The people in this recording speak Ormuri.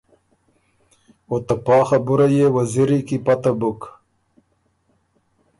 او ته پا خبُره يې وزیری کی پته بُک۔